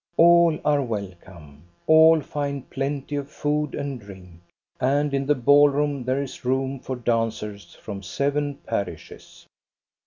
All are welcome, all find plenty of food and drink, and in the ballroom there is room for dancers from seven parishes.